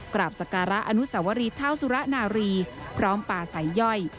กราบสการะอนุสวรีเท้าสุระนารีพร้อมป่าสายย่อย